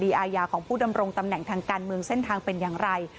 อาญาของผู้ดำรงตำแหน่งทางการเมืองเส้นทางเป็นอย่างไร